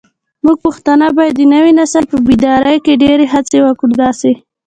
موږ پښتانه بايد د نوي نسل په بيداري کې ډيرې هڅې وکړو داسې